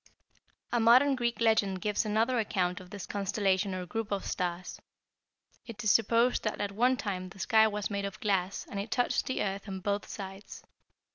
"A modern Greek legend gives another account of this constellation or group of stars. It is supposed that at one time the sky was made of glass and it touched the earth on both sides.